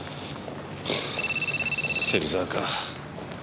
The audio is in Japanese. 芹沢か。